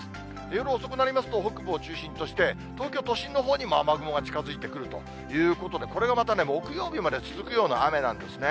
夜遅くなりますと、北部を中心として東京都心のほうにも雨雲が近づいてくるということで、これがまたね、木曜日まで続くような雨なんですね。